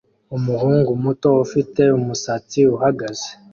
Umuhungu muto ufite umusatsi uhagaze